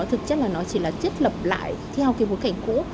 thực chất là nó chỉ là chất lập lại theo cái bối cảnh cũ